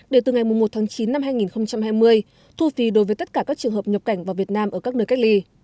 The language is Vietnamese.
đều từ ngày một chín hai nghìn hai mươi thu phí đối với tất cả các trường hợp nhập cảnh vào việt nam ở các nơi cách ly